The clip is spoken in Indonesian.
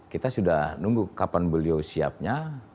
kita sudah nunggu kapan beliau siapnya